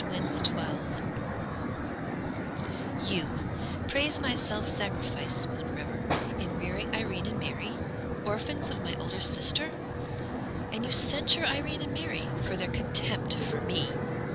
Constance Hately You praise my self sacrifice, Spoon River, In rearing Irene and Mary, Orphans of my older sister! And you censure Irene and Mary For their contempt for me!